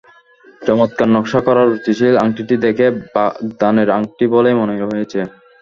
চমত্কার নকশা করা রুচিশীল আংটিটি দেখে বাগদানের আংটি বলেই মনে হয়েছে।